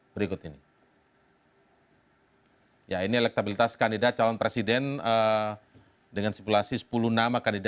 pertanyaan mana tadi